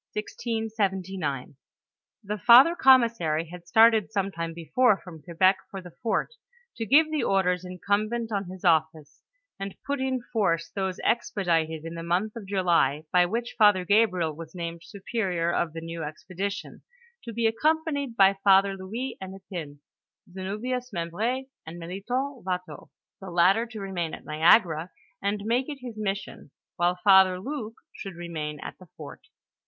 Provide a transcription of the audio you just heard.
I)IB00y£RI£8 m THE MISSIB8IPFI TALLET. 91 The father commiBsary had started some time before from Quebec for the fort, to give the orders incumbent on his office, and put in force those expedited in the month of July, by which Father Gabriel was named superior of the new expedition, to be accompanied by Father Louis Hennepin, Zenobius Membr6, and Melithon Watteaux, the latter to re main at Niagara, and make it his mission, while Father Luke should remain at the fort.